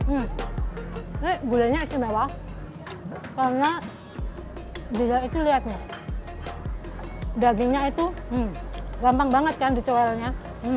ini gulenya istimewa karena dagingnya itu gampang banget kan dicuelnya